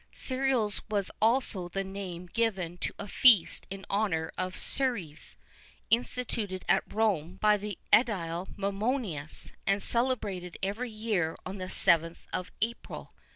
Cereals was also the name given to a feast in honour of Ceres, instituted at Rome by the edile Mumonius, and celebrated every year on the 7th of April.